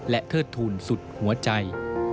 เทิดทูลสุดหัวใจ